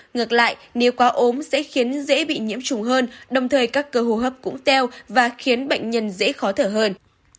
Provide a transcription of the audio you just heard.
ngược lại nếu quá ốm sẽ khiến dễ bị nhiễm trùng hơn đồng thời các cơ hồ hấp cũng teo và khiến bệnh nhân dễ khó thở hơn